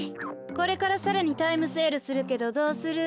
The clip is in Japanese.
これからさらにタイムセールするけどどうする？